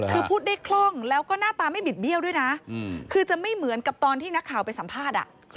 คือพูดได้คล่องแล้วก็หน้าตาไม่บิดเบี้ยวด้วยนะคือจะไม่เหมือนกับตอนที่นักข่าวไปสัมภาษณ์